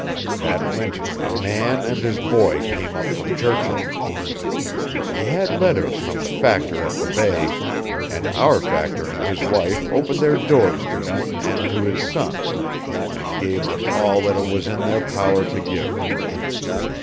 That winter a man and his boy came up from Churchill. He had letters from the Factor at the Bay, and our Factor and his wife opened their doors to him and to his son, and gave them all that it was in their power to give.